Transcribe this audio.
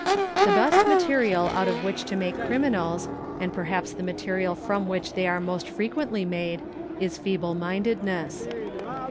The best material out of which to make criminals, and perhaps the ma terial from which they are most frequently made, is feeble mindedness.